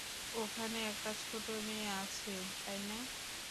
ওখানে একটা ছোট মেয়ে আছে, তাই না?